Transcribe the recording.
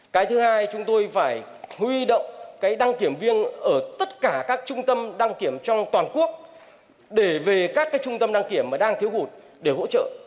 cái thứ hai chúng tôi phải huy động cái đăng kiểm viên ở tất cả các trung tâm đăng kiểm trong toàn quốc để về các trung tâm đăng kiểm mà đang thiếu hụt để hỗ trợ